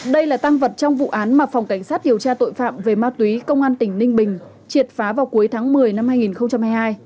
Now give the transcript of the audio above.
đây là tăng vật trong vụ án mà phòng cảnh sát điều tra tội phạm về ma túy công an tỉnh ninh bình triệt phá vào cuối tháng một mươi năm hai nghìn hai mươi hai